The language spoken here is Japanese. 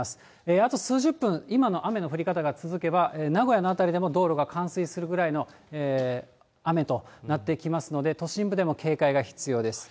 あと数十分、今の雨の降り方が続けば、名古屋の辺りでも道路が冠水するぐらいの雨となってきますので、都心部でも警戒が必要です。